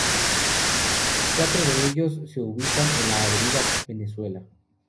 Cuatro de ellos se ubican en la avenida Venezuela.